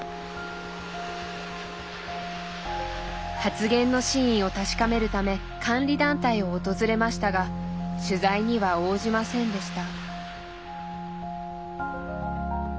発言の真意を確かめるため監理団体を訪れましたが取材には応じませんでした。